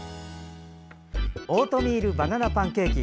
オートミールバナナパンケーキ